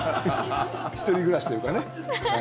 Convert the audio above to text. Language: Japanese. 一人暮らしというかね。